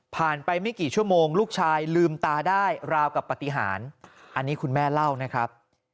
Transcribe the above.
ไปไม่กี่ชั่วโมงลูกชายลืมตาได้ราวกับปฏิหารอันนี้คุณแม่เล่านะครับ